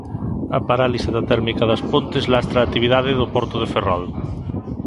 A parálise da térmica das Pontes lastra a actividade do porto de Ferrol.